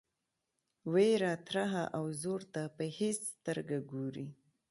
وېره ترهه او زور ته په هیڅ سترګه ګوري.